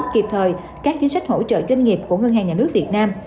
kịp thời các chính sách hỗ trợ doanh nghiệp của ngân hàng nhà nước việt nam